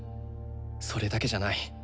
それだけじゃない。